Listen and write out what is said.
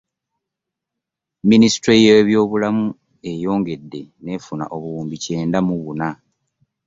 Munisitule y'eby'obulamu eyongedde n'efuna obuwumbi kyenda mu buna.